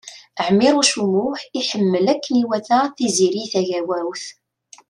Ɛmiṛuc U Muḥ iḥemmel akken iwata Tiziri Tagawawt.